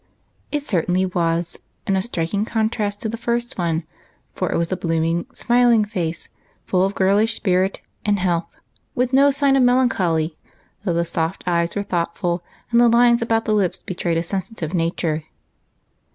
It certainly was, and a striking contrast to the first one, for it was a blooming, smiling face, full of girlish spirit and health, with no sign of mel ancholy, though the soft eyes were thoughtful, and the lines about the lips betrayed a sensitive nature.